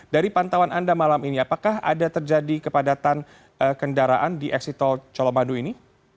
dari pantauan anda malam ini apakah ada terjadi kepadatan kendaraan di eksit tol colomadu ini